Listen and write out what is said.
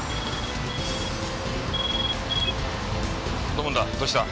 土門だどうした？